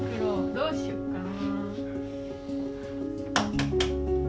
どうしよっかな。